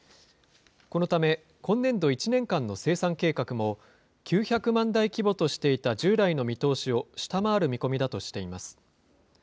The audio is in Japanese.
このため、今年度１年間の生産計画も、９００万台規模としていた従来の見通しを下回る見込みだとしています。